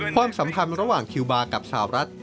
ความสัมพันธ์ระหว่างคิวบาร์กับสาวรัฐ